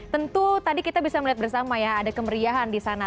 tentu tadi kita bisa melihat bersama ya ada kemeriahan di sana